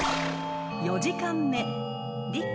［４時間目］